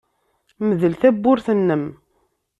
Mdel tawwurt-nnem.